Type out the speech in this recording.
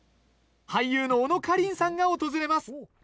俳優の小野花梨さんが訪れます。